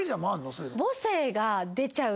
そういうの。